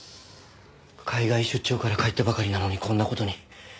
海外出張から帰ったばかりなのにこんな事に。